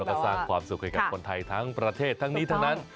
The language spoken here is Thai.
แล้วกระสั่นความสุขให้คนไทยตังนี้ทั้งนั้น